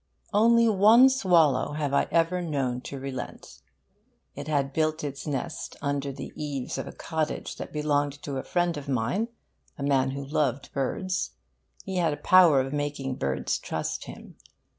Only one swallow have I ever known to relent. It had built its nest under the eaves of a cottage that belonged to a friend of mine, a man who loved birds. He had a power of making birds trust him.